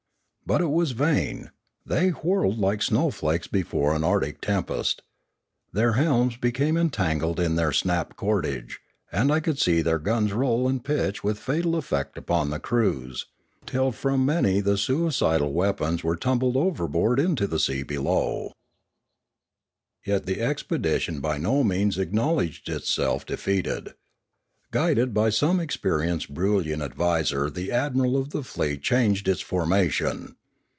But it was vain; they whirled like snowflakes before an arctic tempest. Their helms became entangled in their snapped cordage, and I could see their guns roll and pitch with fatal effect upon the crews, till from many the suicidal weapons were tumbled overboard into the sea below. Another Threat 495 Yet the expedition by no means acknowledged itself defeated. Guided by some experienced Broolyian ad viser the admiral of the fleet changed its formation.